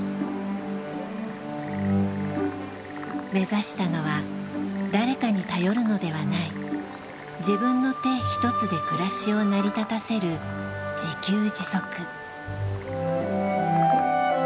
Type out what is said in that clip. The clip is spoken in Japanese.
目指したのは誰かに頼るのではない自分の手ひとつで暮らしを成り立たせる自給自足。